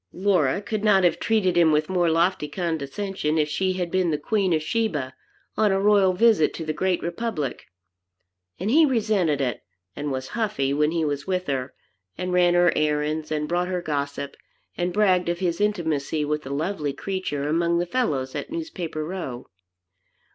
Laura could not have treated him with more lofty condescension if she had been the Queen of Sheba, on a royal visit to the great republic. And he resented it, and was "huffy" when he was with her, and ran her errands, and brought her gossip, and bragged of his intimacy with the lovely creature among the fellows at Newspaper Row.